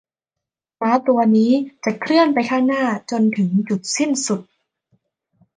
ม้าตัวนี้จะเคลื่อนไปข้างหน้าจนถึงจุดสิ้นสุด